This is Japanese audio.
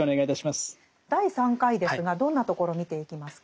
第３回ですがどんなところを見ていきますか？